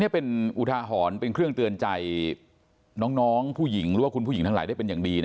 เป็นอุทาหรณ์เป็นเครื่องเตือนใจน้องผู้หญิงหรือว่าคุณผู้หญิงทั้งหลายได้เป็นอย่างดี